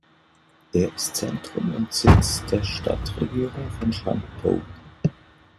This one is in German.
Er ist Zentrum und Sitz der Stadtregierung von Shantou.